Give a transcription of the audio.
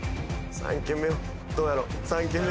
３軒目どうやろ？